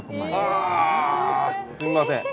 すみません